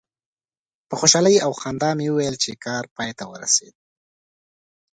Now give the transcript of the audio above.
په خوشحالي او خندا مې وویل چې کار پای ته ورسید.